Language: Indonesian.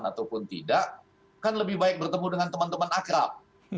ataupun tidak kan lebih baik bertemu dengan teman teman akrab